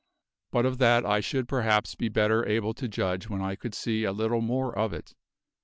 But of that I should perhaps be better able to judge when I could see a little more of it.